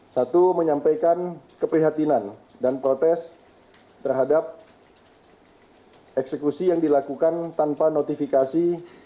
satu menyampaikan keprihatinan dan protes terhadap eksekusi yang dilakukan tanpa notifikasi